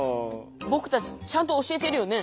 ぼくたちちゃんと教えてるよね。